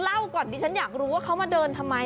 เล่าก่อนดิฉันอยากรู้ว่าเขามาเดินทำไม